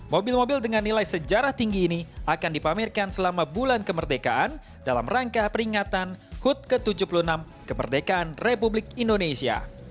mobil mobil dengan nilai sejarah tinggi ini akan dipamerkan selama bulan kemerdekaan dalam rangka peringatan hud ke tujuh puluh enam kemerdekaan republik indonesia